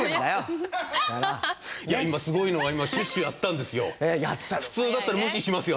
いや今すごいのがシュッシュッやったんですよ。